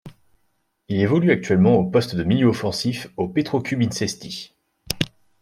Il évolue actuellement au poste de milieu offensif au Petrocub Hîncești.